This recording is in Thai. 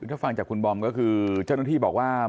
ถ้าฟังจากคุณบอมก็คือเจ้าหน้าที่บอกว่า